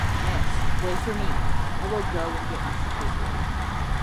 Miss, wait for me! I will go and get my suitcase ready.